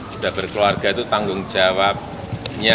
sudah berkeluarga itu tanggung jawabnya